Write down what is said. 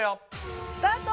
スタート。